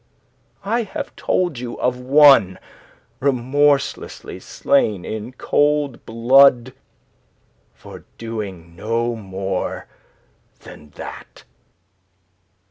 I have told you of one remorselessly slain in cold blood for doing no more than that.